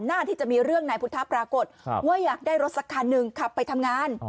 ที่จะมีเรื่องนายพุทธปรากฏว่าอยากได้รถสักคันหนึ่งขับไปทำงาน